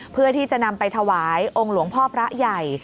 เพื่อที่จะนำไปถวายองค์หลวงพ่อพระใหญ่